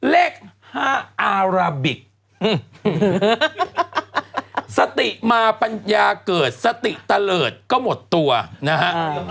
เลข๕อาราบิกสติมาปัญญาเกิดสติตะเลิศก็หมดตัวนะฮะ